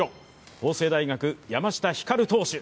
法政大学、山下輝投手。